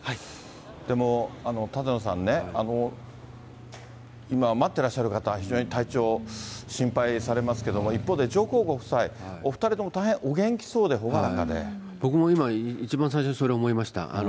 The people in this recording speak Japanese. でも舘野さんね、待っていらっしゃる方、非常に体調心配されますけども、一方で、上皇ご夫妻、お２人とも大変お元気そうで、僕も今、一番最初それ思いました。